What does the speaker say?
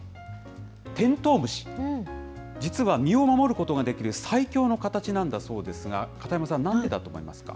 テントウムシ、実は身を守ることができる最強の形なんだそうですが、片山さん、なんでだと思いますか？